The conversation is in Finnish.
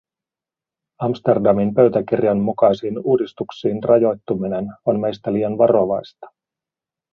Amsterdamin pöytäkirjan mukaisiin uudistuksiin rajoittuminen on meistä liian varovaista.